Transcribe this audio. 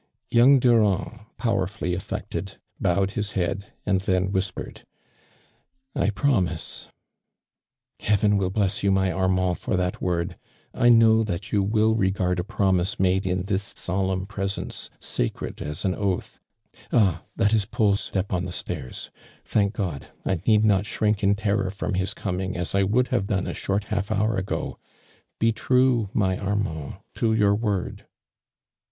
Young Durand, powerfully afleoted, bowed his head and then whispered: "I promise I" " Heaven will bless you, my Armand, for that word I I know that you will regard a promise made in this solemn presence, sacred as an oath. Ah ! that is Paul's step on the stairs, 'fhnnk <'0dl I need not shrink in terror from his coming as I would have done a short half hoiu ago. Be true, my Arrnand, to your word."